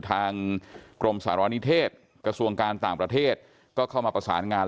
ทางกรมสารณิเทศกระทรวงการต่างประเทศก็เข้ามาประสานงาน